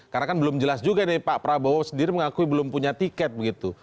karena kan belum jelas juga nih pak prabowo sendiri mengakui belum punya tiket begitu